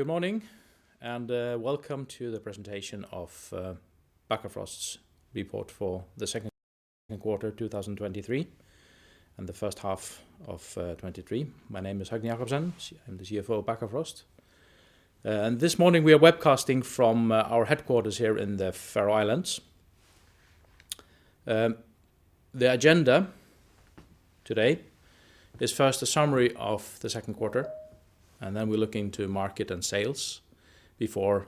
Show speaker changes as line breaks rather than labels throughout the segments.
Good morning, welcome to the presentation of Bakkafrost's report for the second quarter 2023, and the first half of 2023. My name is Høgni Jakobsen. I'm the CFO of Bakkafrost. This morning, we are webcasting from our headquarters here in the Faroe Islands. The agenda today is first a summary of the second quarter, and then we're looking to market and sales before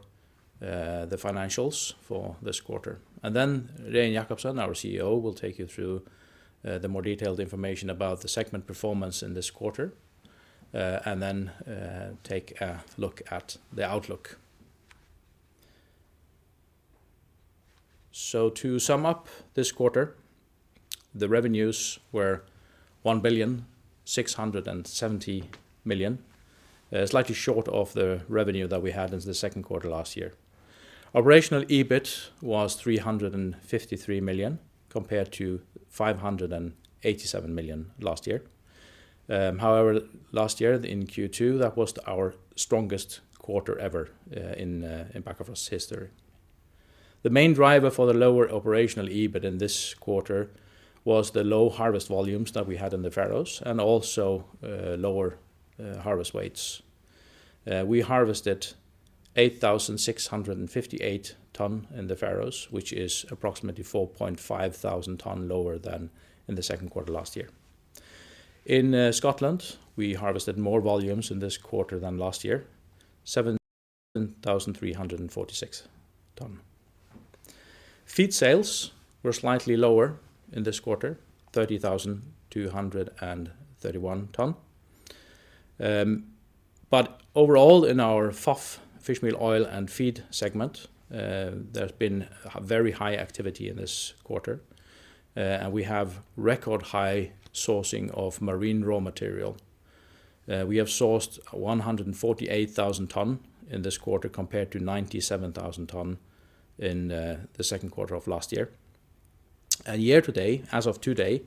the financials for this quarter. Then Regin Jakobsen, our CEO, will take you through the more detailed information about the segment performance in this quarter, and then take a look at the outlook. To sum up, this quarter, the revenues were 1.67 billion. Slightly short of the revenue that we had in the second quarter last year. Operational EBIT was 353 million, compared to 587 million last year. However, last year in Q2, that was our strongest quarter ever in Bakkafrost's history. The main driver for the lower Operational EBIT in this quarter was the low harvest volumes that we had in the Faroes and also lower harvest weights. We harvested 8,658 tons in the Faroes, which is approximately 4,500 tons lower than in the second quarter last year. In Scotland, we harvested more volumes in this quarter than last year, 7,346 tons. Feed sales were slightly lower in this quarter, 30,231 tons. Overall, in our FOF, fishmeal, oil, and feed segment, there's been a very high activity in this quarter, and we have record high sourcing of marine raw material. We have sourced 148,000 tons in this quarter, compared to 97,000 tons in the second quarter of last year. Year to date, as of today,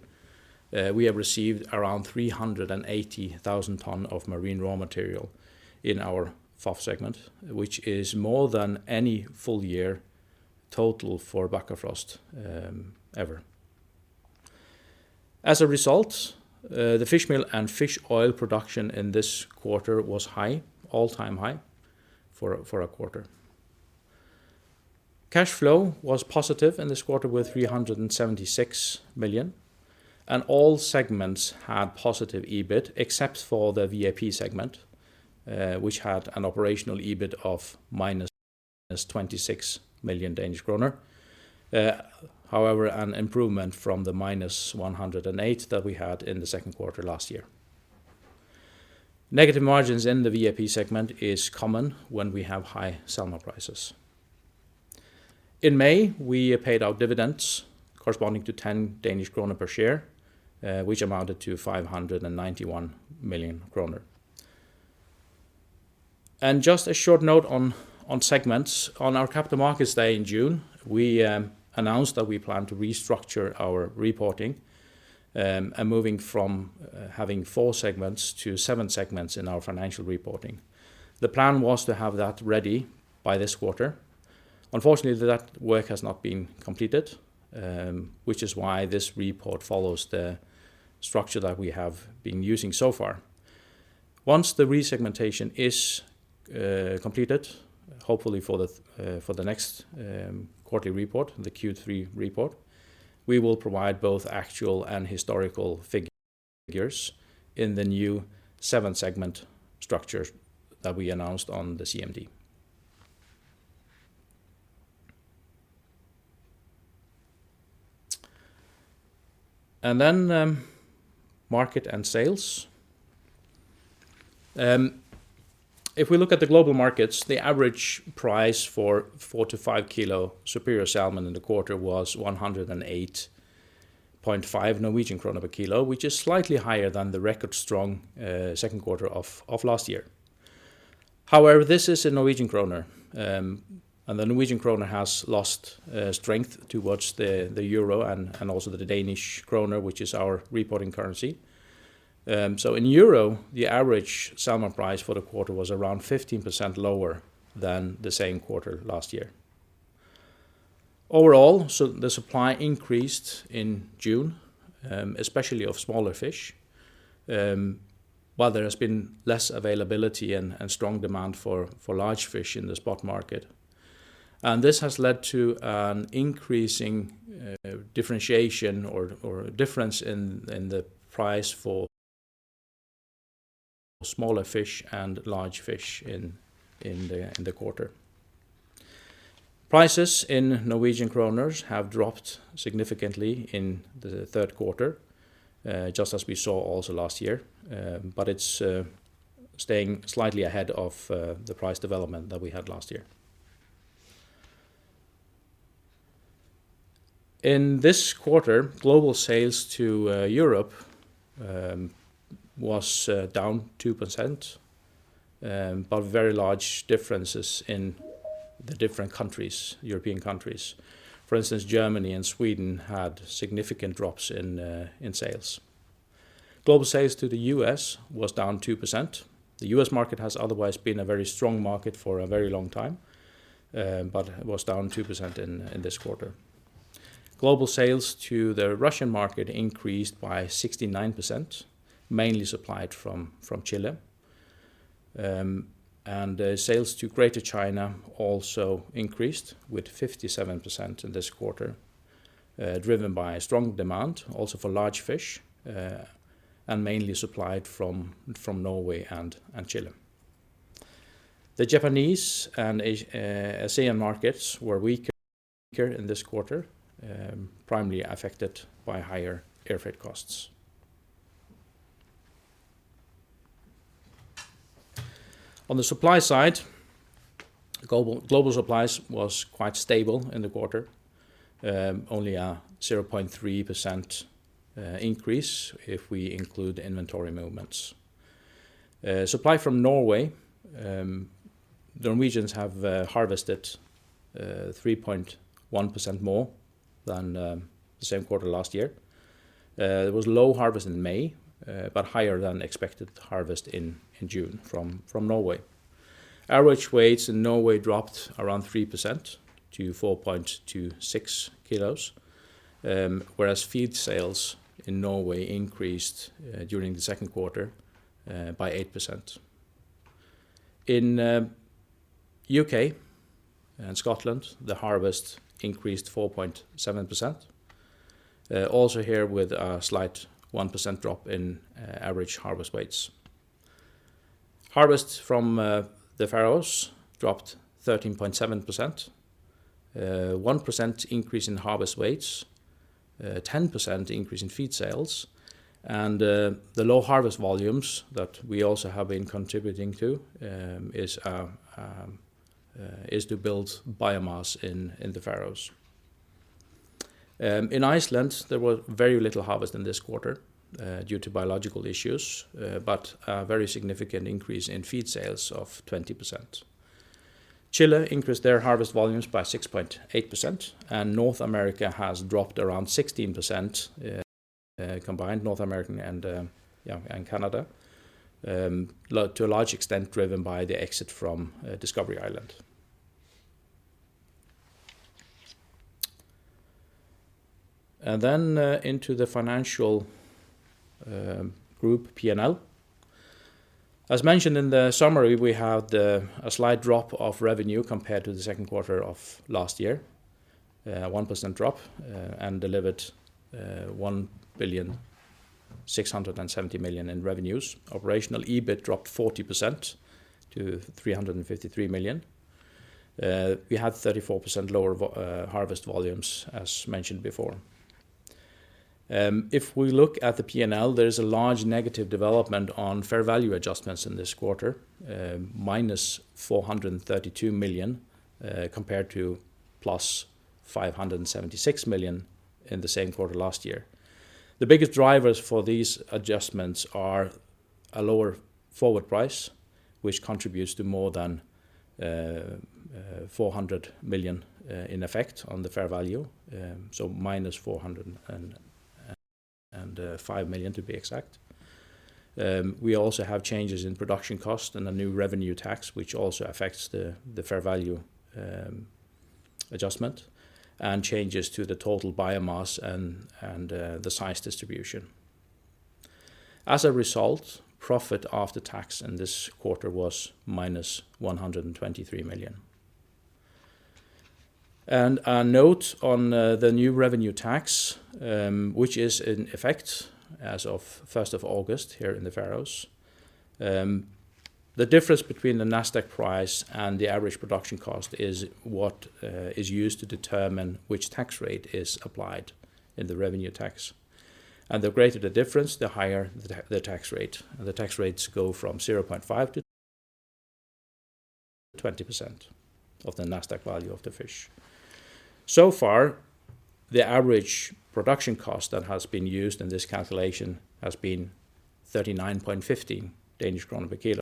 we have received around 380,000 tons of marine raw material in our FOF segment, which is more than any full year total for Bakkafrost ever. As a result, the fishmeal and fish oil production in this quarter was high, all-time high for, for a quarter. Cash flow was positive in this quarter with 376 million. All segments had positive EBIT, except for the VAP segment, which had an operational EBIT of minus 26 million Danish kroner. However, an improvement from the minus 108 that we had in the second quarter last year. Negative margins in the VAP segment is common when we have high salmon prices. In May, we paid out dividends corresponding to 10 Danish kroner per share, which amounted to 591 million kroner. Just a short note on segments. On our Capital Markets Day in June, we announced that we plan to restructure our reporting, and moving from having 4 segments to 7 segments in our financial reporting. The plan was to have that ready by this quarter. Unfortunately, that work has not been completed, which is why this report follows the structure that we have been using so far. Once the resegmentation is completed, hopefully for the next quarterly report, the Q3 report, we will provide both actual and historical figures in the new seven-segment structure that we announced on the CMD. Market and sales. If we look at the global markets, the average price for four to five kilo superior salmon in the quarter was 108.5 Norwegian krone per kilo, which is slightly higher than the record strong second quarter of last year. However, this is a Norwegian krone, and the Norwegian krone has lost strength towards the euro and also the Danish kroner, which is our reporting currency. In EUR, the average salmon price for the quarter was around 15% lower than the same quarter last year. Overall, the supply increased in June, especially of smaller fish, while there has been less availability and strong demand for large fish in the spot market. This has led to an increasing differentiation or difference in the price for smaller fish and large fish in the quarter. Prices in Norwegian krone have dropped significantly in the third quarter, just as we saw also last year, but it's staying slightly ahead of the price development that we had last year. In this quarter, global sales to Europe was down 2%, but very large differences in the different countries, European countries. For instance, Germany and Sweden had significant drops in sales. Global sales to the US was down 2%. The US market has otherwise been a very strong market for a very long time, but it was down 2% in this quarter. Global sales to the Russian market increased by 69%, mainly supplied from Chile. Sales to Greater China also increased with 57% in this quarter, driven by a strong demand, also for large fish, and mainly supplied from Norway and Chile. The Japanese and Asian markets were weaker in this quarter, primarily affected by higher airfreight costs. On the supply side, global supplies was quite stable in the quarter. Only a 0.3% increase if we include inventory movements. Supply from Norway, the Norwegians have harvested 3.1% more than the same quarter last year. It was low harvest in May, higher than expected harvest in June from Norway. Average weights in Norway dropped around 3% to 4.26 kilos, whereas feed sales in Norway increased during the second quarter by 8%. In UK and Scotland, the harvest increased 4.7%. Also here with a slight 1% drop in average harvest weights. Harvest from the Faroes dropped 13.7%, 1% increase in harvest weights, 10% increase in feed sales. The low harvest volumes that we also have been contributing to is to build biomass in the Faroes. In Iceland, there was very little harvest in this quarter, due to biological issues, but a very significant increase in feed sales of 20%. Chile increased their harvest volumes by 6.8%. North America has dropped around 16%, combined North American and, yeah, Canada, to a large extent, driven by the exit from Discovery Islands. Into the financial group PNL. As mentioned in the summary, we had a slight drop of revenue compared to the second quarter of last year. 1% drop, and delivered 1,670 million in revenues. Operational EBIT dropped 40% to 353 million. We had 34% lower harvest volumes, as mentioned before. If we look at the PNL, there is a large negative development on fair value adjustments in this quarter, -432 million compared to +576 million in the same quarter last year. The biggest drivers for these adjustments are a lower forward price, which contributes to more than 400 million in effect on the fair value, so -405 million, to be exact. We also have changes in production cost and a new revenue tax, which also affects the fair value adjustment, and changes to the total biomass and the size distribution. As a result, profit after tax in this quarter was -123 million. A note on the new revenue tax, which is in effect as of first of August here in the Faroes. The difference between the Nasdaq price and the average production cost is what is used to determine which tax rate is applied in the revenue tax. The greater the difference, the higher the tax rate. The tax rates go from 0.5% to 20% of the Nasdaq value of the fish. So far, the average production cost that has been used in this calculation has been 39.15 Danish kroner per kilo.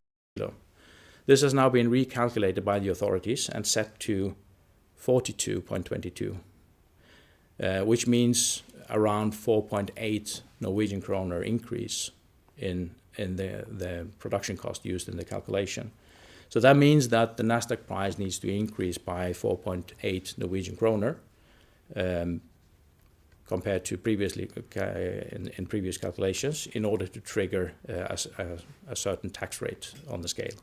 This has now been recalculated by the authorities and set to 42.22, which means around 4.8 Norwegian krone increase in the production cost used in the calculation. That means that the Nasdaq price needs to increase by 4.8 Norwegian krone compared to previously in previous calculations, in order to trigger a certain tax rate on the scale.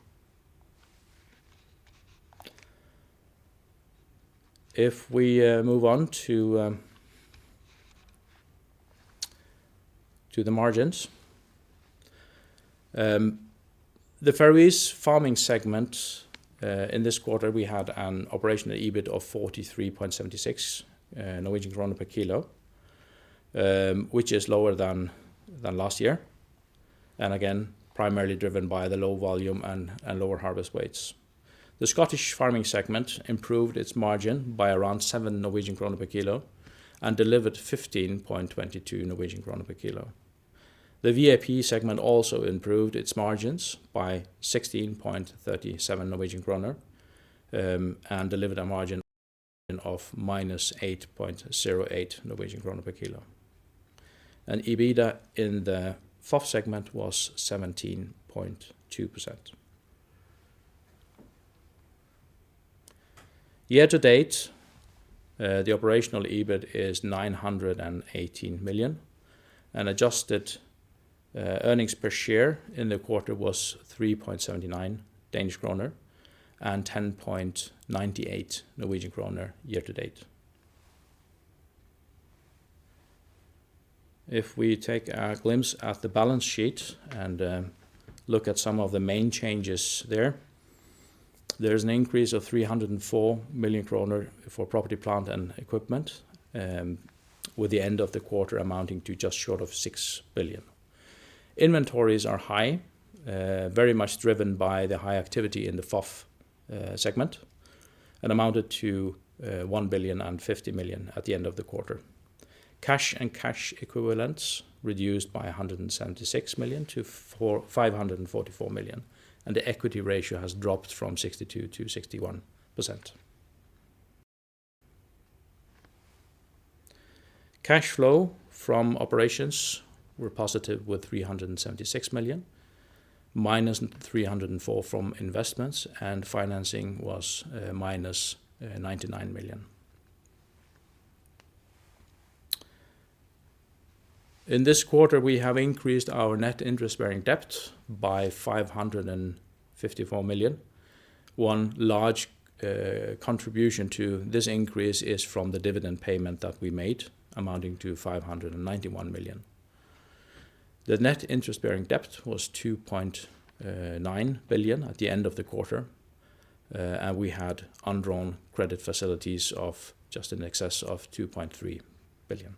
If we move on to the margins. The Faroese farming segment in this quarter, we had an Operational EBIT of 43.76 Norwegian krone per kilo, which is lower than last year, and again, primarily driven by the low volume and lower harvest weights. The Scottish farming segment improved its margin by around 7 Norwegian krone per kilo and delivered 15.22 Norwegian krone per kilo. The VAP segment also improved its margins by 16.37 Norwegian krone and delivered a margin of -8.08 Norwegian krone per kilo. EBITA in the fourth segment was 17.2%. Year to date, the Operational EBIT is 918 million, and adjusted earnings per share in the quarter was 3.79 Danish kroner and 10.98 Norwegian kroner year to date. If we take a glimpse at the balance sheet and look at some of the main changes there, there's an increase of 304 million kroner for property, plant, and equipment, with the end of the quarter amounting to just short of 6 billion. Inventories are high, very much driven by the high activity in the FOF segment and amounted to 1.05 billion at the end of the quarter. Cash and cash equivalents reduced by 176 million to 544 million, the equity ratio has dropped from 62% to 61%. Cash flow from operations were positive, with 376 million, minus 304 million from investments, and financing was minus 99 million. In this quarter, we have increased our net interest-bearing debt by 554 million. One large contribution to this increase is from the dividend payment that we made, amounting to 591 million. The net interest-bearing debt was 2.9 billion at the end of the quarter, and we had undrawn credit facilities of just in excess of 2.3 billion.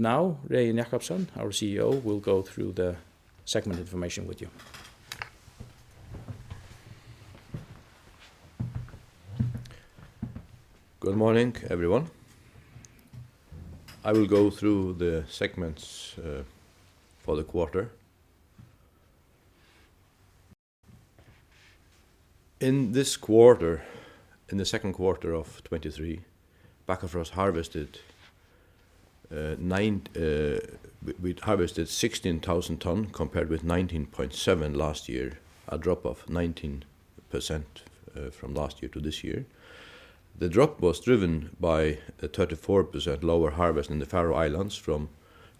Now, Regin Jacobsen, our CEO, will go through the segment information with you.
Good morning, everyone. I will go through the segments for the quarter. In this quarter, in the second quarter of 2023, Bakkafrost harvested 16,000 tons, compared with 19.7 thousand tons last year, a drop of 19% from last year to this year. The drop was driven by a 34% lower harvest in the Faroe Islands, from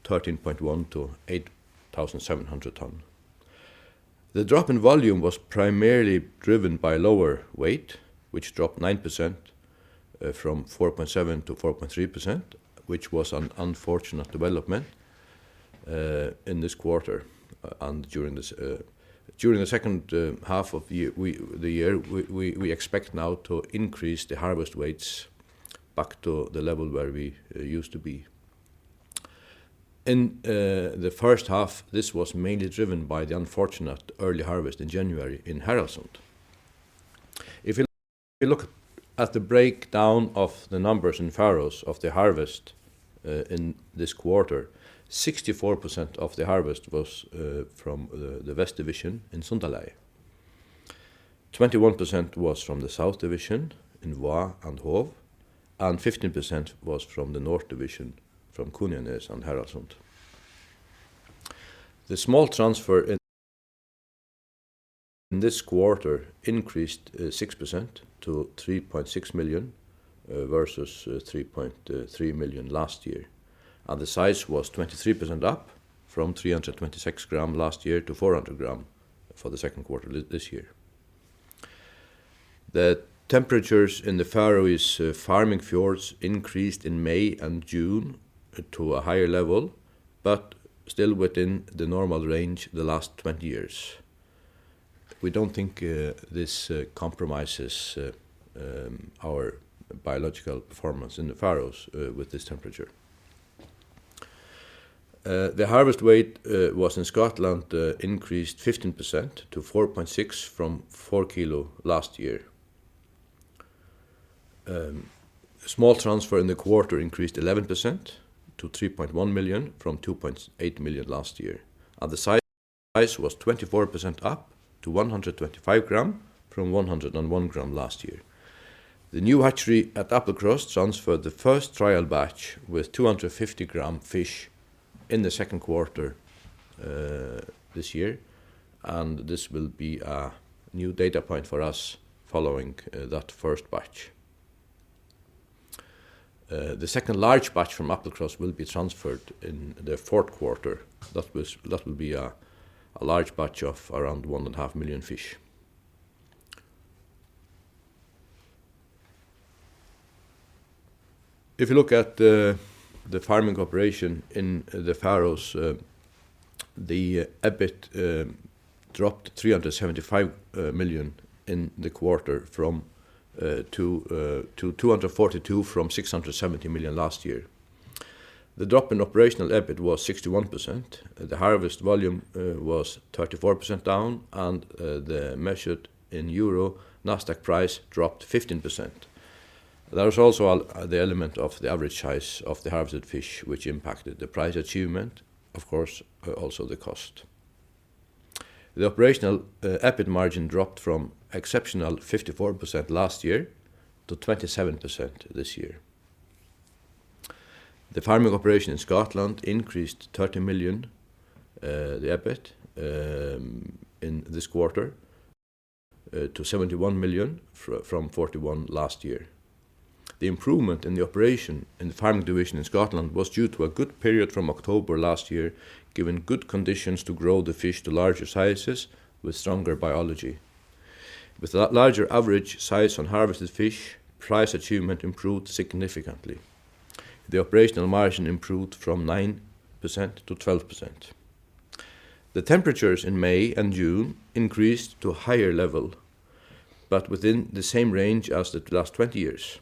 13.1 thousand tons to 8,700 tons. The drop in volume was primarily driven by lower weight, which dropped 9%, from 4.7% to 4.3%, which was an unfortunate development in this quarter and during this during the second half of the year, we expect now to increase the harvest weights back to the level where we used to be. In the first half, this was mainly driven by the unfortunate early harvest in January in Haraldssund. If you look at the breakdown of the numbers in Faroes of the harvest in this quarter, 64% of the harvest was from the west division in Suðuroy. 21% was from the south division in Vágur and Hov, and 15% was from the north division from Kunoyarnes and Haraldssund. The smolt transfer in this quarter increased 6% to 3.6 million versus 3.3 million last year, and the size was 23% up from 326 gram last year to 400 gram for the second quarter this year. The temperatures in the Faroes farming fjords increased in May and June to a higher level, but still within the normal range the last 20 years. We don't think this compromises our biological performance in the Faroes with this temperature. The harvest weight was in Scotland, increased 15% to 4.6 from 4 kilo last year. Smolt transfer in the quarter increased 11% to 3.1 million from 2.8 million last year, and the size, size was 24% up to 125 gram from 101 gram last year. The new hatchery at Applecross transferred the first trial batch with 250-gram fish in the second quarter this year, and this will be a new data point for us following that first batch. The second large batch from Applecross will be transferred in the fourth quarter. That will be a large batch of around 1.5 million fish. If you look at the farming operation in the Faroes, the EBIT dropped 375 million in the quarter from to 242 from 670 million last year. The drop in Operational EBIT was 61%. The harvest volume was 34% down, and the measured in Euro Nasdaq price dropped 15%. There was also the element of the average size of the harvested fish, which impacted the price achievement, of course, also the cost. The Operational EBIT margin dropped from exceptional 54% last year to 27% this year. The farming operation in Scotland increased 30 million, the EBIT, in this quarter, to 71 million from 41 last year. The improvement in the operation in the farming division in Scotland was due to a good period from October last year, given good conditions to grow the fish to larger sizes with stronger biology. With that larger average size on harvested fish, price achievement improved significantly. The operational margin improved from 9% to 12%. The temperatures in May and June increased to a higher level, but within the same range as the last 20 years.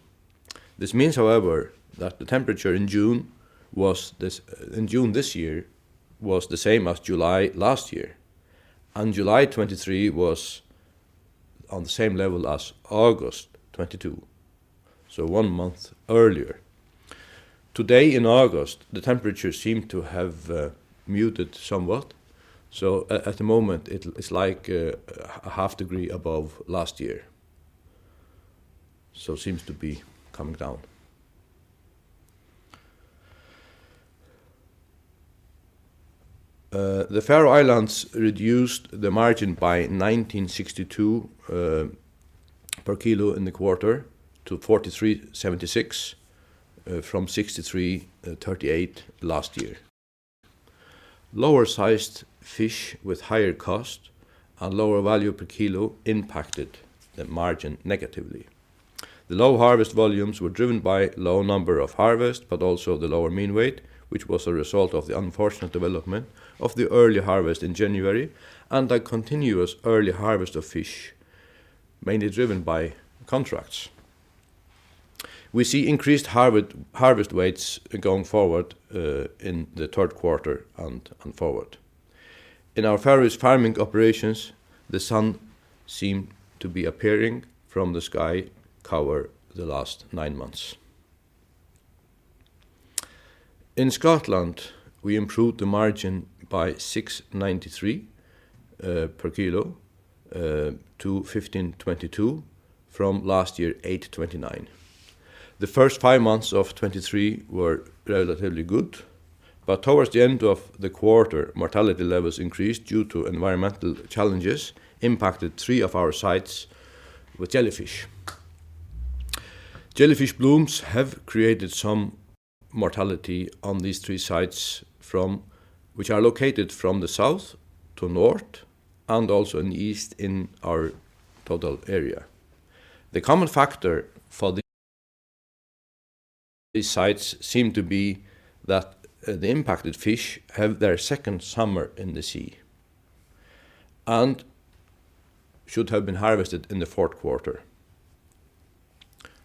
This means, however, that the temperature in June this year, was the same as July last year, and July 2023 was on the same level as August 2022, so 1 month earlier. Today in August, the temperature seemed to have muted somewhat, so at, at the moment, it's like a half degree above last year. Seems to be coming down. The Faroe Islands reduced the margin by 19.62 per kilo in the quarter to 43.76 from 63.38 last year. Lower sized fish with higher cost and lower value per kilo impacted the margin negatively. The low harvest volumes were driven by low number of harvest, but also the lower mean weight, which was a result of the unfortunate development of the early harvest in January, and a continuous early harvest of fish, mainly driven by contracts. We see increased harvest weights going forward in the third quarter and forward. In our Faroese farming operations, the sun seemed to be appearing from the sky cover the last nine months. In Scotland, we improved the margin by 693 per kilo to 1,522 from last year, 829. The first five months of 2023 were relatively good, but towards the end of the quarter, mortality levels increased due to environmental challenges, impacted three of our sites with jellyfish. Jellyfish blooms have created some mortality on these three sites. Which are located from the south to north and also in the east in our total area. The common factor for these sites seem to be that the impacted fish have their second summer in the sea and should have been harvested in the fourth quarter.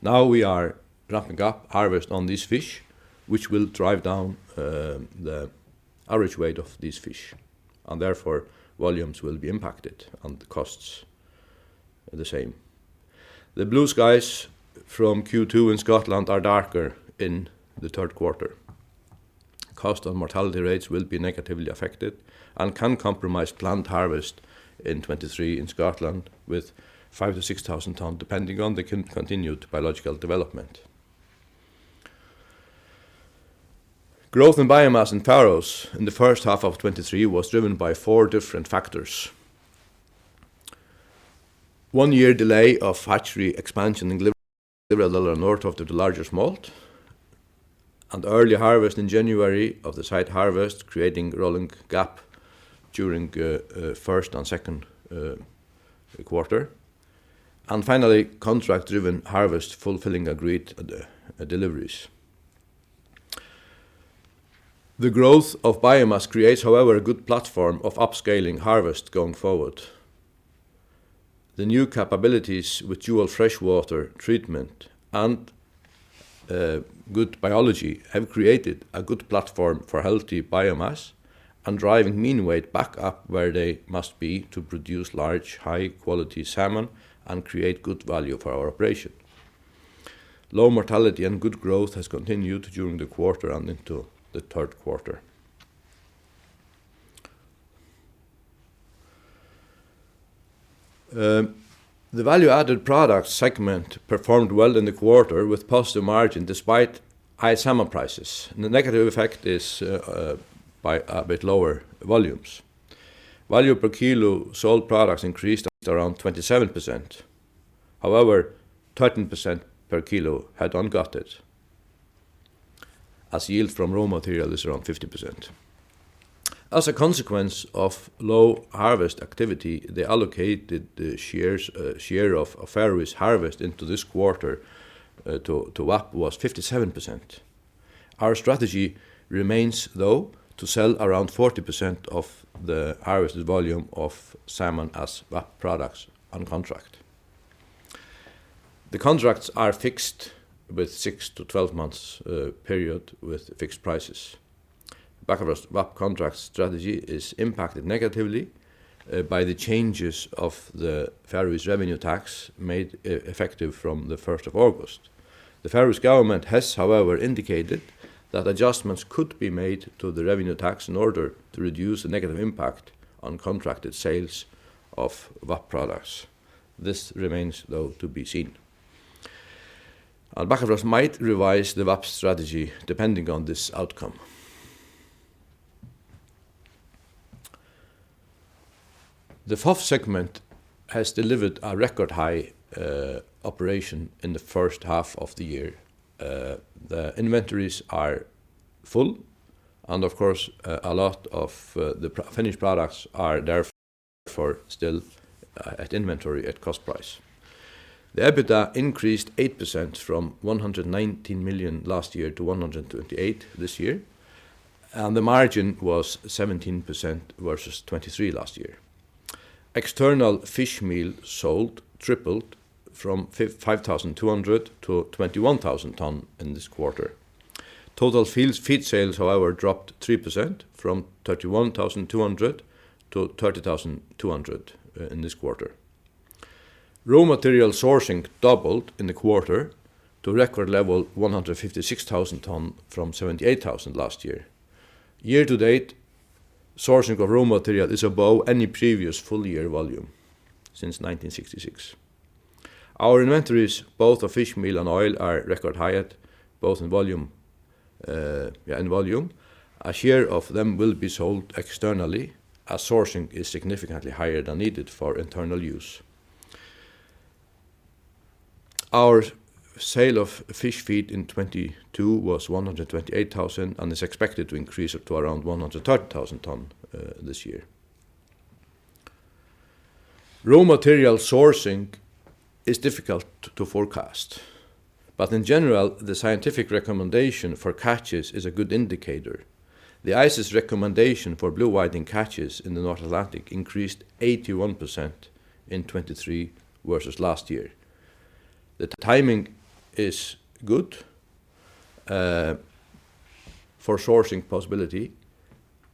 Now, we are wrapping up harvest on these fish, which will drive down the average weight of these fish, and therefore, volumes will be impacted and the costs the same. The blue skies from Q2 in Scotland are darker in the third quarter. Cost on mortality rates will be negatively affected and can compromise planned harvest in 2023 in Scotland, with 5,000-6,000 tons, depending on the continued biological development. Growth in biomass in Faroes in the first half of 2023 was driven by four different factors. One year delay of hatchery expansion in Applecross, north of the largest malt, and early harvest in January of the site harvest, creating rolling gap during first and second quarter, and finally, contract-driven harvest fulfilling agreed deliveries. The growth of biomass creates, however, a good platform of upscaling harvest going forward. The new capabilities with dual freshwater treatment and good biology have created a good platform for healthy biomass and driving mean weight back up where they must be to produce large, high-quality salmon and create good value for our operation. Low mortality and good growth has continued during the quarter and into the third quarter. The value-added product segment performed well in the quarter with positive margin, despite high summer prices. The negative effect is by a bit lower volumes. Value per kilo sold products increased around 27%. However, 13% per kilo had ungutted, as yield from raw material is around 50%. As a consequence of low harvest activity, the allocated shares, share of, of Faroese harvest into this quarter, to VAP was 57%. Our strategy remains, though, to sell around 40% of the harvested volume of salmon as VAP products on contract. The contracts are fixed with 6-12 months period with fixed prices. VAP contract strategy is impacted negatively by the changes of the Faroese revenue tax made effective from the 1st of August. The Faroese government has, however, indicated that adjustments could be made to the revenue tax in order to reduce the negative impact on contracted sales of VAP products. This remains, though, to be seen. Bakkafrost might revise the VAP strategy depending on this outcome. The FOF segment has delivered a record-high operation in the first half of the year. The inventories are full, and of course, a lot of the finished products are therefore still at inventory at cost price. The EBITDA increased 8% from 119 million last year to 128 million this year, and the margin was 17% versus 23% last year. External fish meal sold tripled from 5,200 to 21,000 ton in this quarter. Total feed sales, however, dropped 3% from 31,200 to 30,200 in this quarter. Raw material sourcing doubled in the quarter to record level 156,000 ton from 78,000 last year. Year to date, sourcing of raw material is above any previous full year volume since 1966. Our inventories, both of fish meal and oil, are record high at both in volume, yeah, in volume. A share of them will be sold externally, as sourcing is significantly higher than needed for internal use. Our sale of fish feed in 2022 was 128,000 and is expected to increase up to around 130,000 ton this year. Raw material sourcing is difficult to forecast. In general, the scientific recommendation for catches is a good indicator. The ICES recommendation for blue whiting catches in the North Atlantic increased 81% in 2023 versus last year. The timing is good for sourcing possibility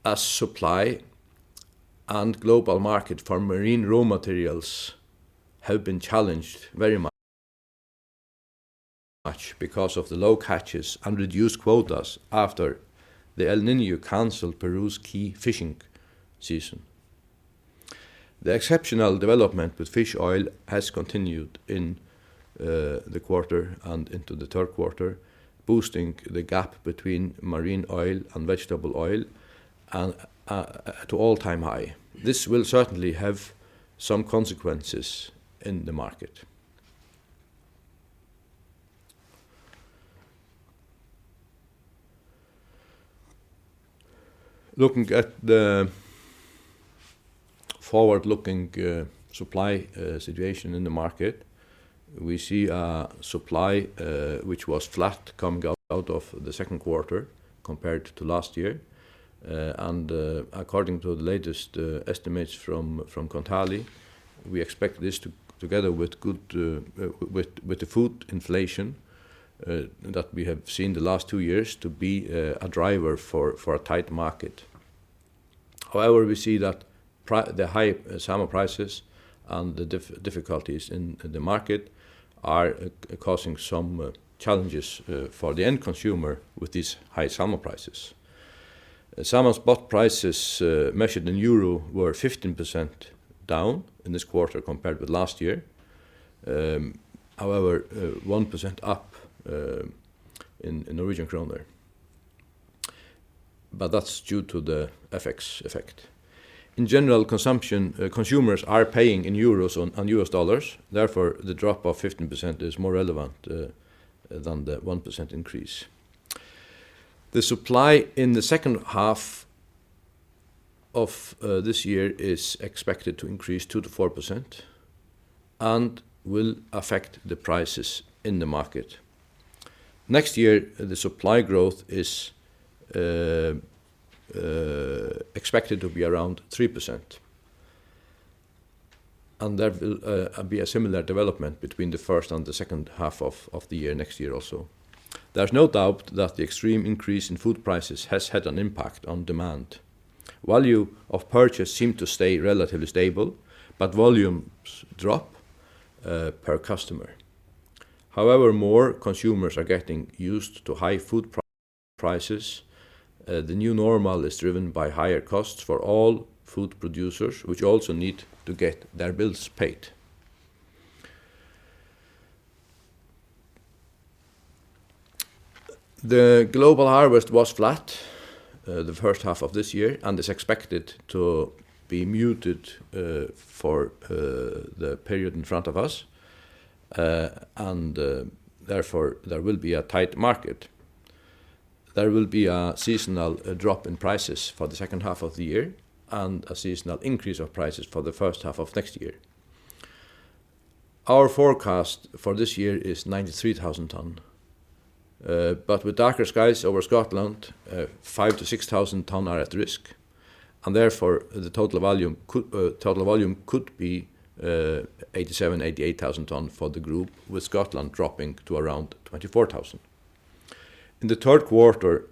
as supply and global market for marine raw materials have been challenged very much because of the low catches and reduced quotas after the El Niño canceled Peru's key fishing season. The exceptional development with fish oil has continued in the quarter and into the 3rd quarter, boosting the gap between marine oil and vegetable oil and to all-time high. This will certainly have some consequences in the market. Looking at the forward-looking supply situation in the market, we see a supply which was flat coming out of the second quarter compared to last year. According to the latest estimates from Kontali, we expect this together with good with the food inflation that we have seen the last 2 years, to be a driver for a tight market. However, we see that the high salmon prices and the difficulties in the market are causing some challenges for the end consumer with these high salmon prices. Salmon spot prices, measured in EUR, were 15% down in this quarter compared with last year. However, 1% up in NOK, but that's due to the FX effect. In general, consumption, consumers are paying in euros and US dollars, therefore, the drop of 15% is more relevant than the 1% increase. The supply in the second half of this year is expected to increase 2%-4% and will affect the prices in the market. Next year, the supply growth is expected to be around 3%, and there will be a similar development between the first and the second half of the year next year also. There's no doubt that the extreme increase in food prices has had an impact on demand. Value of purchase seem to stay relatively stable, but volumes drop per customer. However, more consumers are getting used to high food prices. The new normal is driven by higher costs for all food producers, which also need to get their bills paid. The global harvest was flat the first half of this year, and is expected to be muted for the period in front of us. Therefore, there will be a tight market. There will be a seasonal drop in prices for the second half of the year and a seasonal increase of prices for the first half of next year. Our forecast for this year is 93,000 ton, but with darker skies over Scotland, 5,000-6,000 ton are at risk, and therefore, the total volume could, total volume could be 87,000-88,000 ton for the group, with Scotland dropping to around 24,000.... In the third quarter,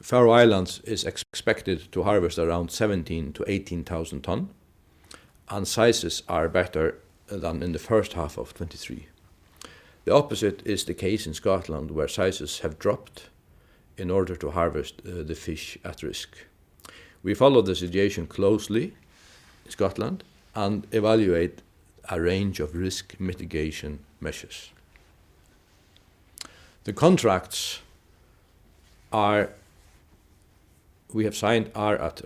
Faroe Islands is expected to harvest around 17,000-18,000 tons, sizes are better than in the first half of 2023. The opposite is the case in Scotland, where sizes have dropped in order to harvest the fish at risk. We follow the situation closely, Scotland, and evaluate a range of risk mitigation measures. The contracts we have signed are at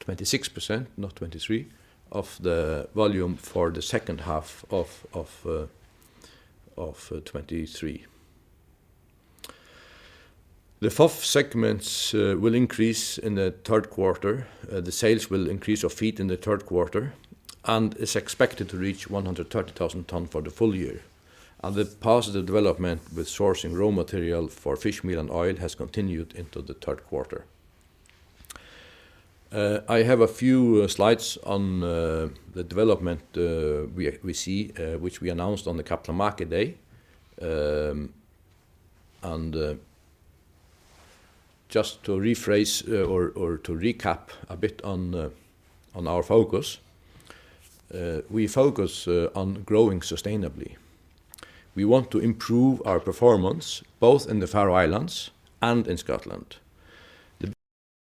26%, not 23, of the volume for the second half of 2023. The FOF segments will increase in the third quarter. The sales will increase of feed in the third quarter, and is expected to reach 130,000 tons for the full year. The positive development with sourcing raw material for fish meal and oil has continued into the third quarter. I have a few slides on the development we see which we announced on the Capital Market Day. Just to rephrase or to recap a bit on our focus, we focus on growing sustainably. We want to improve our performance, both in the Faroe Islands and in Scotland.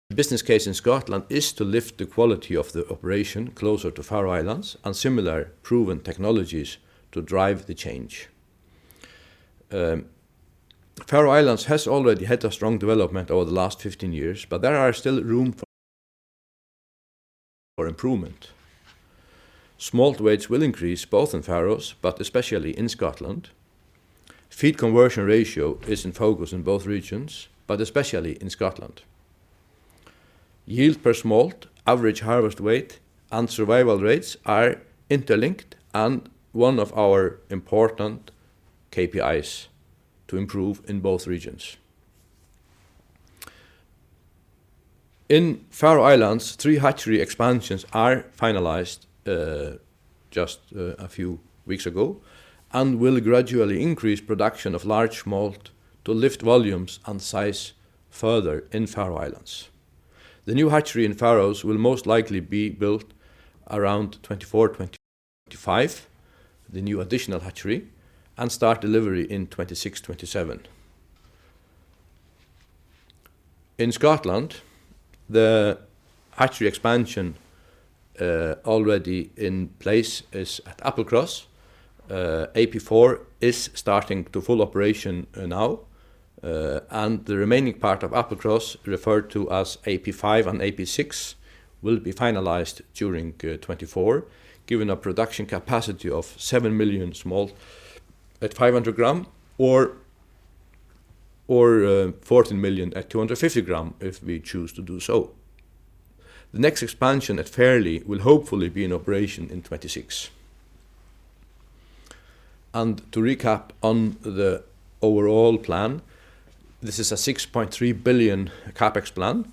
The business case in Scotland is to lift the quality of the operation closer to Faroe Islands and similar proven technologies to drive the change. Faroe Islands has already had a strong development over the last 15 years, there are still room for improvement. Smolt weights will increase, both in Faroes, especially in Scotland. Feed conversion ratio is in focus in both regions, especially in Scotland. Yield per smolt, average harvest weight, and survival rates are interlinked and one of our important KPIs to improve in both regions. In Faroe Islands, 3 hatchery expansions are finalized, just a few weeks ago, and will gradually increase production of large smolt to lift volumes and size further in Faroe Islands. The new hatchery in Faroes will most likely be built around 2024-2025, the new additional hatchery, and start delivery in 2026-2027. In Scotland, the hatchery expansion already in place is at Applecross. Applecross 4 is starting to full operation now, and the remaining part of Applecross, referred to as Applecross 5 and Applecross 6, will be finalized during 2024, giving a production capacity of 7 million smolt at 500 gram or, or 14 million at 250 gram, if we choose to do so. The next expansion at Fairlie will hopefully be in operation in 2026. To recap on the overall plan, this is a 6.3 billion CapEx plan,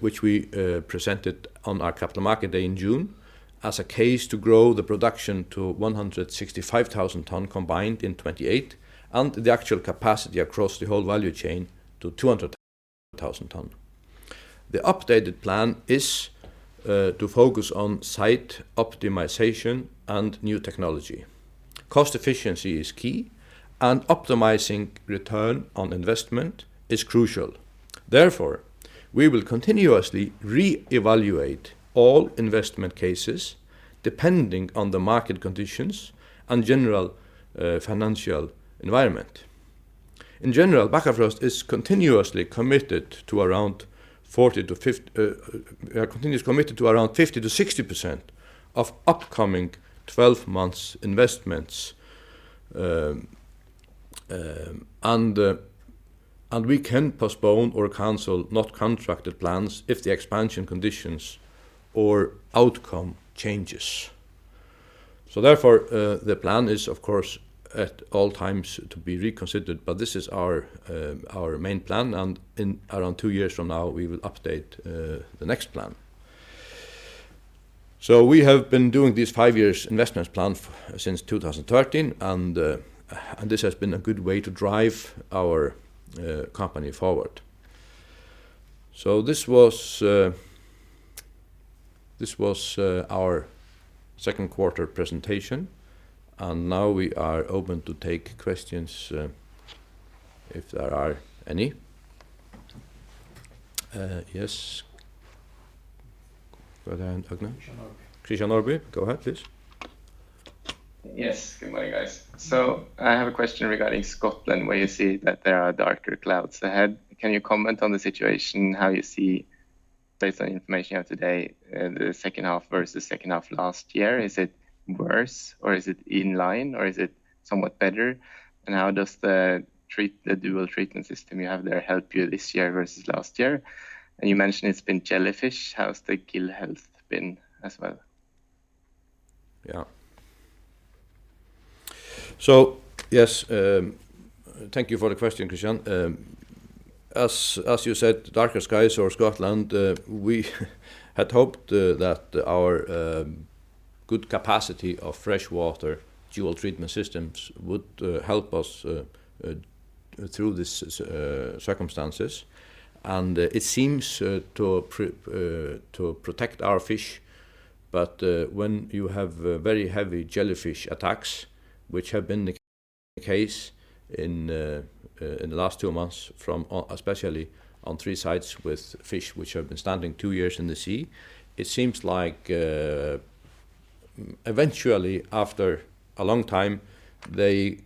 which we presented on our Capital Markets Day in June, as a case to grow the production to 165,000 tons combined in 2028, and the actual capacity across the whole value chain to 200,000 tons. The updated plan is to focus on site optimization and new technology. Cost efficiency is key, and optimizing return on investment is crucial. Therefore, we will continuously re-evaluate all investment cases, depending on the market conditions and general financial environment. In general, Bakkafrost is continuously committed to around 50%-60% of upcoming 12 months investments. We can postpone or cancel not contracted plans if the expansion conditions or outcome changes. Therefore, the plan is, of course, at all times to be reconsidered, but this is our main plan, and in around two years from now, we will update the next plan. We have been doing this five years investments plan since 2013, and this has been a good way to drive our company forward. This was this was our second quarter presentation, and now we are open to take questions if there are any. Yes. Go ahead, Aukner.
Christian Nordby.
Christian Nordby, go ahead, please.
Yes, good morning, guys. I have a question regarding Scotland, where you see that there are darker clouds ahead. Can you comment on the situation, how you see, based on the information you have today, the second half versus second half of last year? Is it worse, or is it in line, or is it somewhat better? How does the dual treatment system you have there help you this year versus last year? You mentioned it's been jellyfish. How's the gill health been as well?
Yeah. Yes, thank you for the question, Christian. As, as you said, darker skies over Scotland, we had hoped that our good capacity of fresh water dual treatment systems would help us through this circumstances. It seems to protect our fish, but when you have very heavy jellyfish attacks, which have been the case in the last 2 months from especially on 3 sites with fish which have been standing 2 years in the sea, it seems like eventually, after a long time, they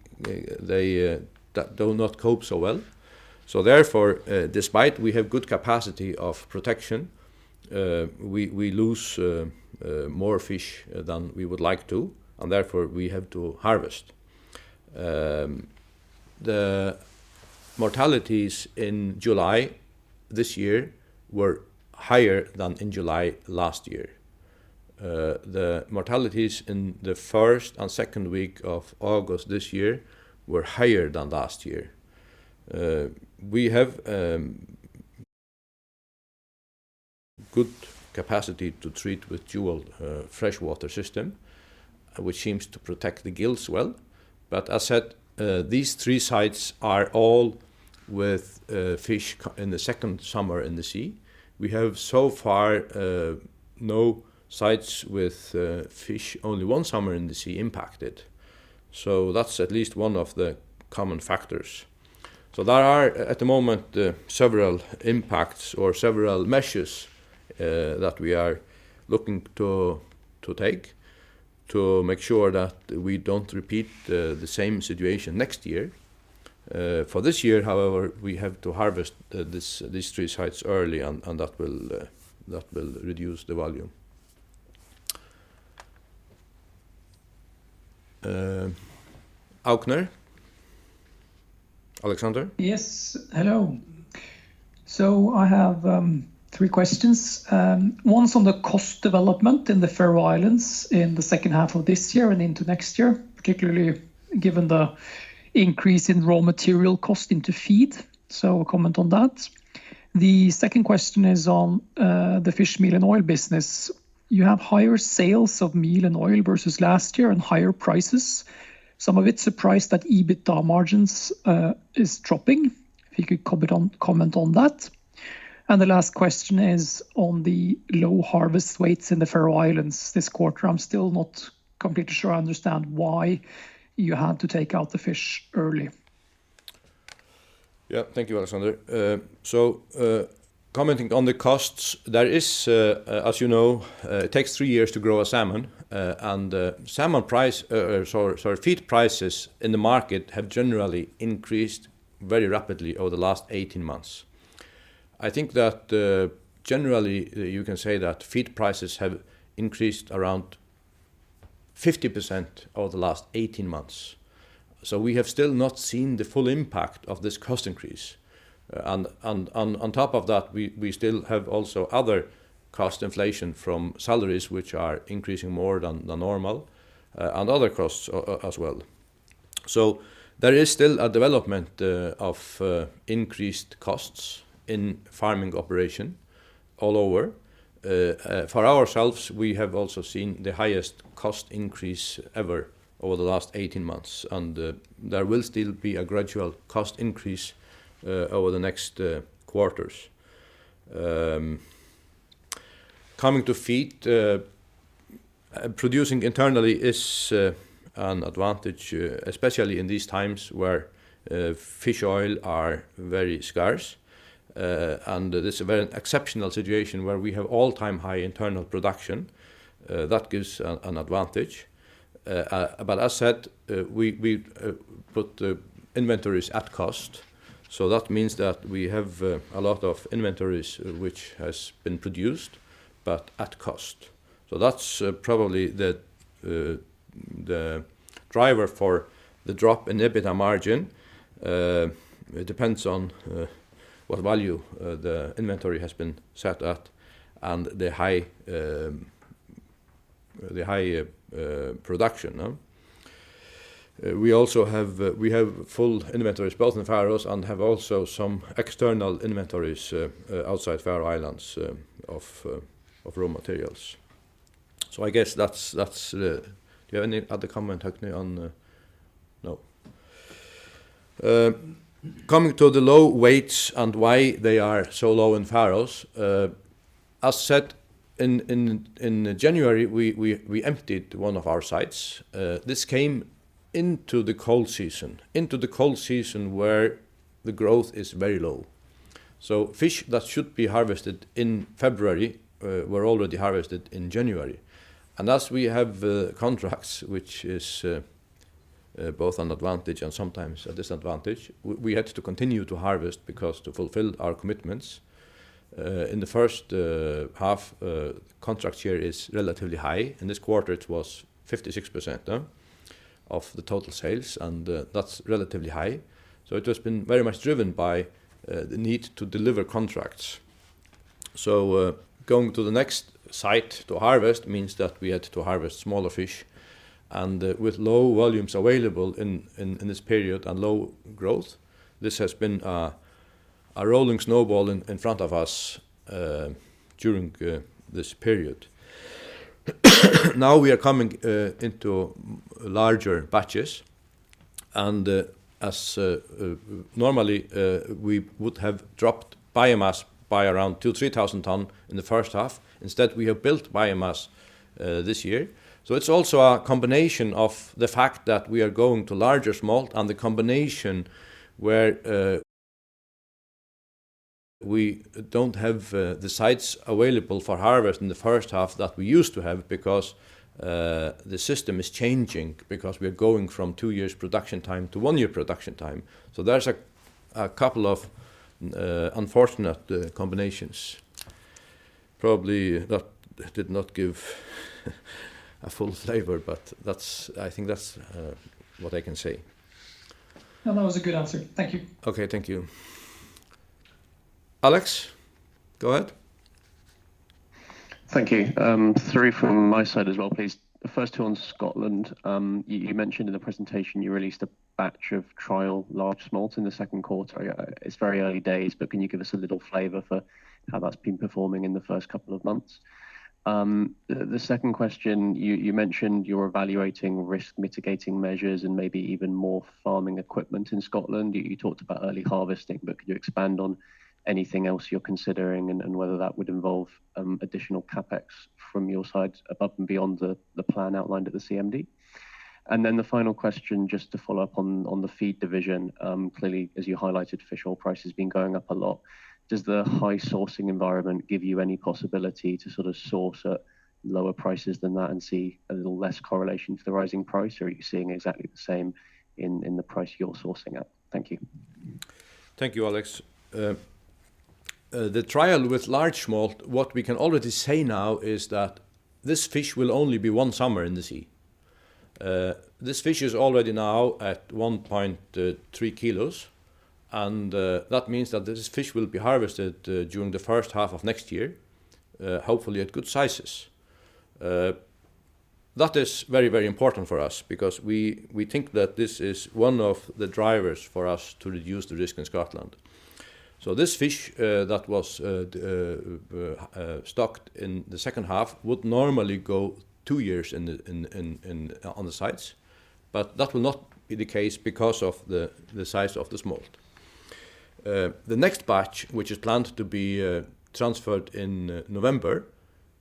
do not cope so well. Therefore, despite we have good capacity of protection, we lose more fish than we would like to, and therefore, we have to harvest. The mortalities in July this year were higher than in July last year. The mortalities in the first and second week of August this year were higher than last year. We have good capacity to treat with dual fresh water system, which seems to protect the gills well. As said, these 3 sites are all with fish in the second summer in the sea. We have so far no sites with fish, only 1 summer in the sea impacted. That's at least one of the common factors. There are, at the moment, several impacts or several measures that we are looking to, to take, to make sure that we don't repeat the same situation next year. For this year, however, we have to harvest, these three sites early, and that will, that will reduce the volume. Aukner? Alexander?
Yes. Hello. I have 3 questions. One's on the cost development in the Faroe Islands in the second half of this year and into next year, particularly given the increase in raw material cost into feed. A comment on that. The second question is on the fish meal and oil business. You have higher sales of meal and oil versus last year, and higher prices. Some of it surprised that EBITDA margins is dropping. If you could comment on that. The last question is on the low harvest weights in the Faroe Islands this quarter. I'm still not completely sure I understand why you had to take out the fish early.
Yeah. Thank you, Alexander. Commenting on the costs, there is, as you know, it takes 3 years to grow a salmon. Salmon price, so, sorry, feed prices in the market have generally increased very rapidly over the last 18 months. I think that, generally, you can say that feed prices have increased around 50% over the last 18 months. We have still not seen the full impact of this cost increase. On top of that, we, we still have also other cost inflation from salaries, which are increasing more than the normal, and other costs as well. There is still a development, of, increased costs in farming operation all over. For ourselves, we have also seen the highest cost increase ever over the last 18 months. There will still be a gradual cost increase over the next quarters. Coming to feed, producing internally is an advantage, especially in these times where fish oil are very scarce. This is a very exceptional situation where we have all-time high internal production that gives an advantage. As said, we, we, put the inventories at cost. That means that we have a lot of inventories which has been produced, but at cost. That's probably the the driver for the drop in EBITDA margin. It depends on what value the inventory has been set at and the high the high production. We also have, we have full inventories both in the Faroes and have also some external inventories outside Faroe Islands of raw materials. I guess that's, that's. Do you have any other comment, Hakne, on? No. Coming to the low weights and why they are so low in Faroes, as said, in January, we emptied one of our sites. This came into the cold season where the growth is very low. Fish that should be harvested in February were already harvested in January. As we have contracts, which is both an advantage and sometimes a disadvantage, we had to continue to harvest because to fulfill our commitments. In the first half, contract year is relatively high. In this quarter, it was 56% of the total sales, and that's relatively high. It has been very much driven by the need to deliver contracts. Going to the next site to harvest means that we had to harvest smaller fish, and with low volumes available in, in, in this period and low growth, this has been a rolling snowball in front of us during this period. We are coming into larger batches, and as normally, we would have dropped biomass by around 2,000-3,000 tons in the first half. Instead, we have built biomass this year. It's also a combination of the fact that we are going to larger smolt and the combination where we don't have the sites available for harvest in the first half that we used to have because the system is changing because we're going from 2 years production time to 1 year production time. There's a couple of unfortunate combinations. Probably that did not give a full flavor, but that's, I think that's what I can say.
No, that was a good answer. Thank you.
Okay, thank you. Alex, go ahead.
Thank you. Three from my side as well, please. The first two on Scotland. You, you mentioned in the presentation you released a batch of trial large smolts in the second quarter. It's very early days, but can you give us a little flavor for how that's been performing in the first couple of months? The second question, you, you mentioned you're evaluating risk mitigating measures and maybe even more farming equipment in Scotland. You, you talked about early harvesting, but could you expand on anything else you're considering and, and whether that would involve additional CapEx from your side above and beyond the plan outlined at the CMD? Then the final question, just to follow up on the feed division. Clearly, as you highlighted, fish oil price has been going up a lot. Does the high sourcing environment give you any possibility to sort of source at lower prices than that and see a little less correlation to the rising price, or are you seeing exactly the same in the price you're sourcing at? Thank you.
Thank you, Alex. The trial with large smolt, what we can already say now is that this fish will only be one summer in the sea. This fish is already now at 1.3 kilos, and that means that this fish will be harvested during the first half of next year, hopefully at good sizes. That is very, very important for us because we, we think that this is one of the drivers for us to reduce the risk in Scotland. This fish, that was, stocked in the second half would normally go two years in the, in, in, in, on the sites, but that will not be the case because of the, the size of the smolt. The next batch, which is planned to be, transferred in November,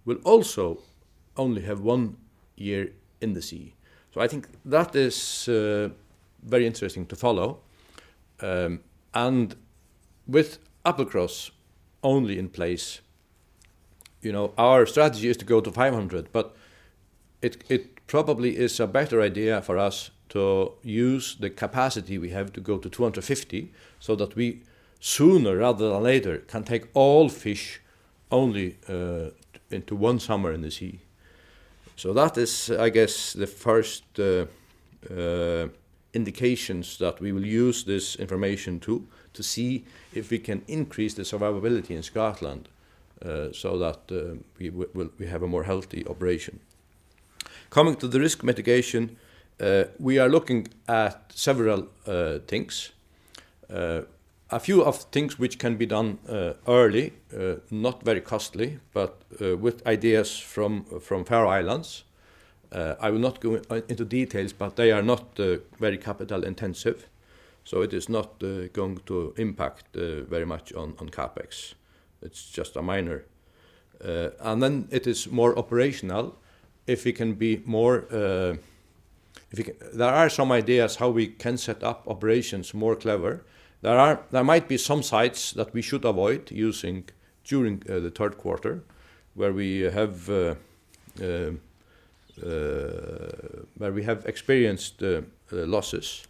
will also only have one year in the sea. I think that is, very interesting to follow. With Applecross only in place, you know, our strategy is to go to 500, but it, it probably is a better idea for us to use the capacity we have to go to 250, that we sooner rather than later can take all fish only, into one summer in the sea. That is, I guess, the first, indications that we will use this information to, to see if we can increase the survivability in Scotland, so that, we have a more healthy operation. Coming to the risk mitigation, we are looking at several, things. A few of things which can be done, early, not very costly, but with ideas from, from Faroe Islands. I will not go into details, but they are not very capital intensive, so it is not going to impact very much on, on CapEx. It's just a minor. It is more operational if we can be more, if we can. There might be some sites that we should avoid using during the third quarter, where we have experienced losses.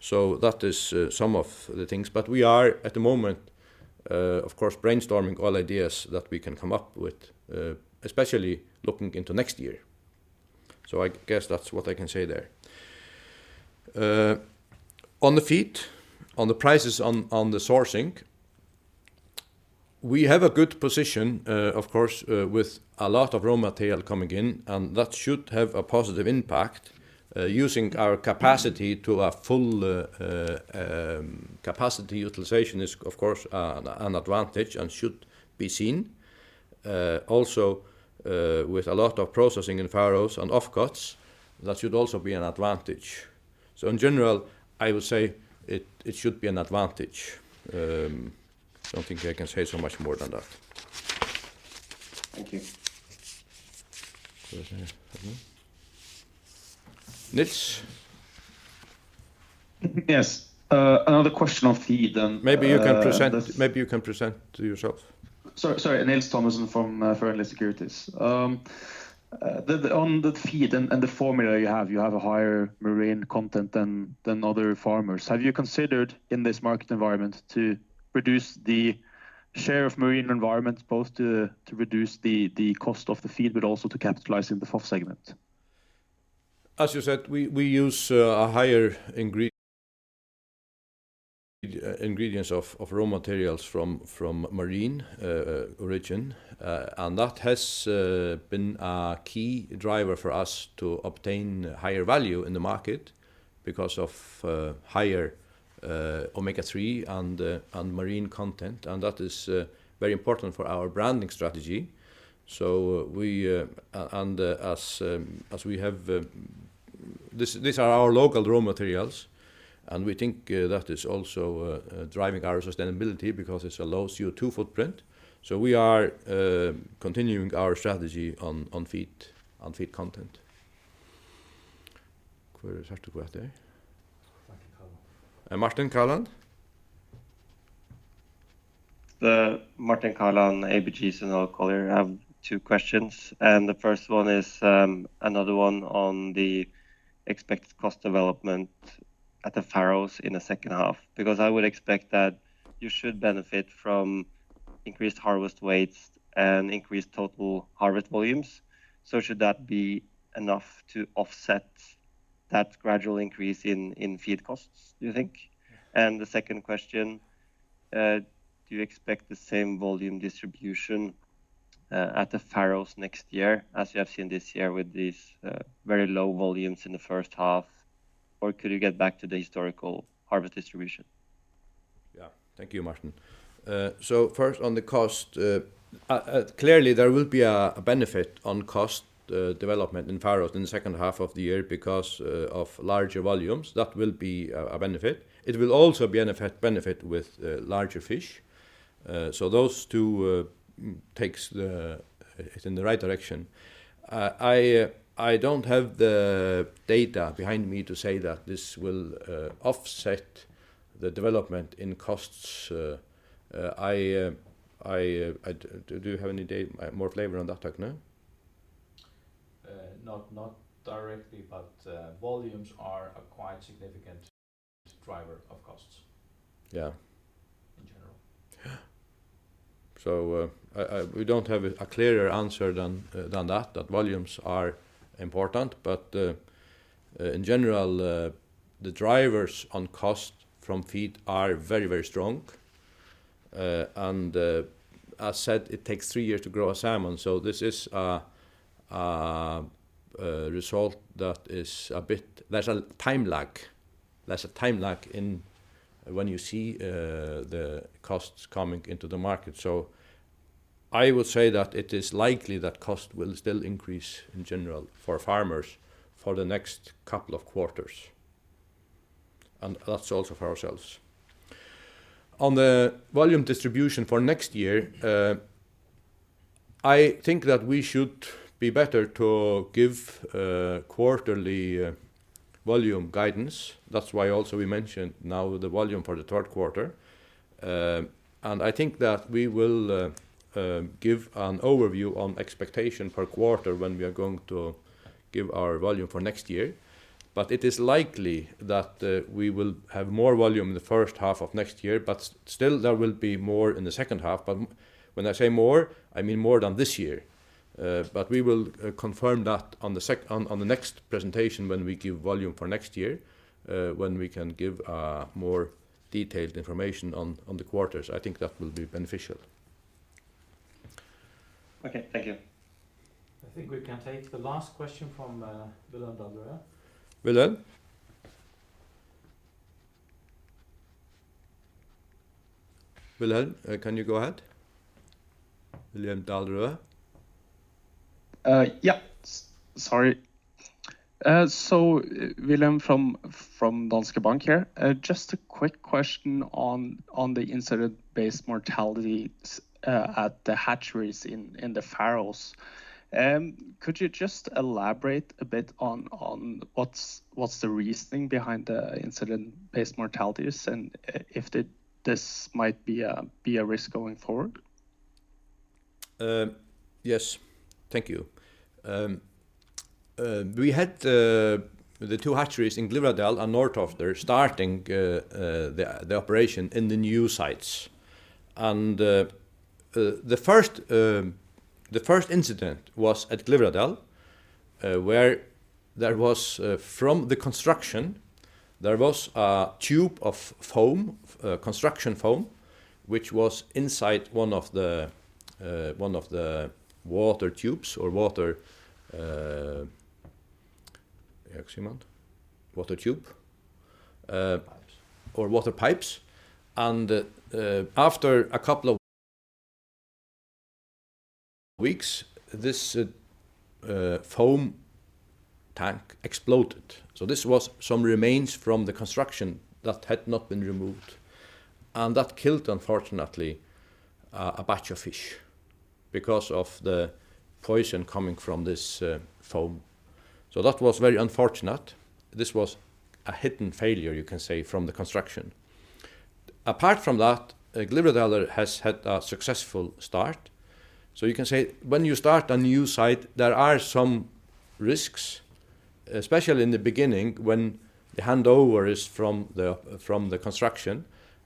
That is some of the things. We are, at the moment, of course, brainstorming all ideas that we can come up with, especially looking into next year. I guess that's what I can say there. On the feed, on the prices, on, on the sourcing, we have a good position, of course, with a lot of raw material coming in, and that should have a positive impact. Using our capacity to a full capacity utilization is, of course, an advantage and should be seen. Also, with a lot of processing in Faroes and offcuts, that should also be an advantage. In general, I would say it, it should be an advantage. I don't think I can say so much more than that.
Thank you.
Nils?
Yes. another question on feed, and,
Maybe you can present, maybe you can present to yourself.
Sorry, sorry. Nils Thommesen from Fearnley Securities. The, on the feed and, and the formula you have, you have a higher marine content than, than other farmers. Have you considered, in this market environment, to reduce the share of marine environment, both to, to reduce the, the cost of the feed, but also to capitalize in the FO segment?
As you said, we, we use a higher ingredients of raw materials from marine origin. That has been a key driver for us to obtain higher value in the market because of higher omega-3 and marine content, and that is very important for our branding strategy. These are our local raw materials, and we think that is also driving our sustainability because it's a low CO₂ footprint. We are continuing our strategy on, on feed, on feed content.... Martin Dolan?
Martin Dolan, ABG Sundal Collier. I have two questions. The first one is another one on the expected cost development at the Faroes in the second half. I would expect that you should benefit from increased harvest weights and increased total harvest volumes. Should that be enough to offset that gradual increase in, in feed costs, do you think? The second question: Do you expect the same volume distribution at the Faroes next year as you have seen this year with these very low volumes in the first half, or could you get back to the historical harvest distribution?
Yeah. Thank you, Martin. First on the cost, clearly there will be a, a benefit on cost development in Faroes in the second half of the year because of larger volumes. That will be a, a benefit. It will also be benefit, benefit with larger fish. Those 2, takes the... It's in the right direction. I, I don't have the data behind me to say that this will offset the development in costs, I, I, I... Do you have any da- more flavor on that, Høgni?
Not, not directly, but volumes are a quite significant driver of costs.
Yeah
in general.
Yeah. We don't have a clearer answer than that, that volumes are important. In general, the drivers on cost from feed are very, very strong. As said, it takes three years to grow a salmon, so this is a result that is a bit. There's a time lag. There's a time lag in when you see the costs coming into the market. I would say that it is likely that cost will still increase in general for farmers for the next couple of quarters, and that's also for ourselves. On the volume distribution for next year, I think that we should be better to give quarterly volume guidance. That's why also we mentioned now the volume for the third quarter. I think that we will give an overview on expectation per quarter when we are going to give our volume for next year. It is likely that we will have more volume in the first half of next year, but still there will be more in the second half. When I say more, I mean more than this year. We will confirm that on the next presentation when we give volume for next year, when we can give more detailed information on the quarters. I think that will be beneficial.
Okay. Thank you.
I think we can take the last question from, Wilhelm Dahl-Røed.
Wilhelm? Wilhelm, can you go ahead? Wilhelm Dahl-Røed.
Yeah, sorry. Wilhelm from, from Danske Bank here. Just a quick question on, on the incident-based mortality, at the hatcheries in, in the Faroes. Could you just elaborate a bit on, on what's, what's the reasoning behind the incident-based mortalities, and if this might be a, be a risk going forward?
Yes. Thank you. We had the two hatcheries in Glyvradal and Norðtoftir starting the operation in the new sites. The first the first incident was at Glyvradal, where there was from the construction, there was a tube of foam, construction foam, which was inside one of the one of the water tubes or water... Water tube?
Pipes.
Water pipes. After a couple of weeks, this foam tank exploded. This was some remains from the construction that had not been removed, and that killed, unfortunately, a batch of fish because of the poison coming from this foam. That was very unfortunate. This was a hidden failure, you can say, from the construction. Apart from that, Glyvradal has had a successful start. You can say, when you start a new site, there are some risks, especially in the beginning, when the handover is from the, from the construction.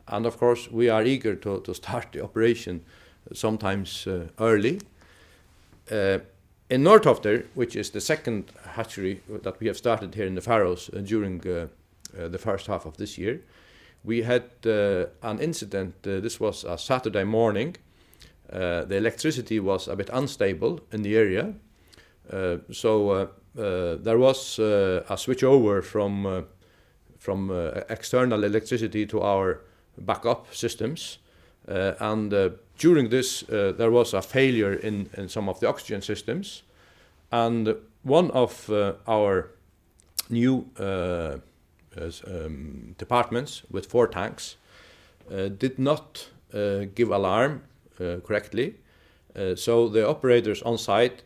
Of course, we are eager to, to start the operation sometimes early. In Norðtoftir, which is the second hatchery that we have started here in the Faroes during the first half of this year, we had an incident. This was a Saturday morning. The electricity was a bit unstable in the area, so there was a switchover from external electricity to our backup systems. During this, there was a failure in some of the oxygen systems, and one of our new departments with 4 tanks did not give alarm correctly. The operators on site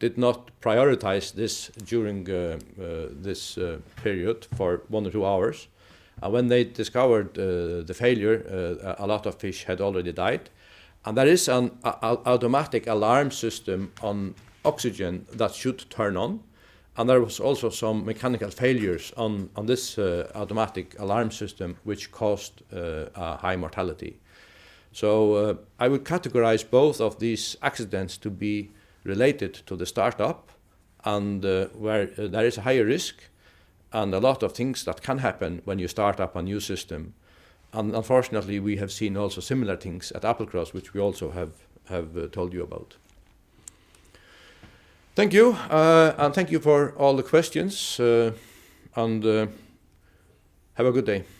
did not prioritize this during this period for 1 or 2 hours. When they discovered the failure, a lot of fish had already died. There is an automatic alarm system on oxygen that should turn on, and there was also some mechanical failures on this automatic alarm system, which caused a high mortality. I would categorize both of these accidents to be related to the start-up, and, where there is a higher risk and a lot of things that can happen when you start up a new system. Unfortunately, we have seen also similar things at Applecross, which we also have, have told you about. Thank you. Thank you for all the questions, and, have a good day.